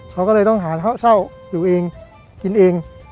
เขาก็เลยต้องหาเช่าอยู่เองกินเอง